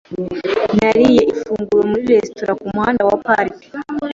Nariye ifunguro muri resitora kumuhanda wa Park .